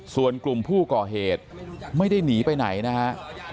ส่วนกลุ่มผู้ก่อเหตุไม่ได้หนีไปไหนนะฮะ